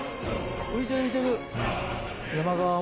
浮いてる浮いてる。